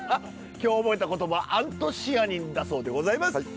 今日覚えた言葉アントシアニンだそうでございます。